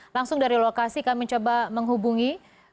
langsung dari lokasi kami coba menghubungi